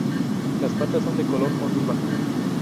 Las patas son de color oliva.